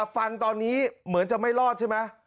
ฟันตอนนี้เหมือนจะไม่รอดใช่ไหม